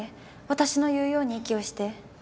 私の言うように息をして。